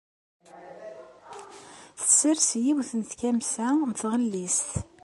Tessers yiwet n tkamra n tɣellist.